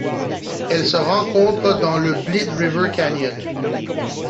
Elle se rencontre dans le Blyde River Canyon.